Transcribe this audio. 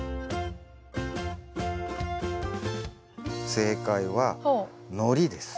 正解はのりです。